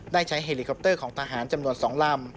ได้ใช้เฮลิคอปเตอร์ของทหารจำนวน๒ลำ